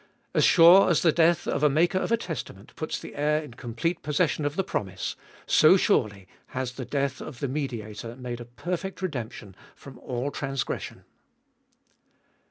As sure as the death of a maker of a testament puts the heir In complete possession of the promise, so surely has the death of the Mediator made a perfect redemption from all transgression.